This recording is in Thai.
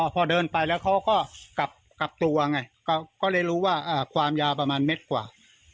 พอเดินไปแล้วเขาก็กลับตัวไงก็เลยรู้ว่าความยาวประมาณเม็ดกว่า